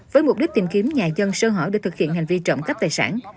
với mục đích tìm kiếm nhà dân sơ hở để thực hiện hành vi trộm cắp tài sản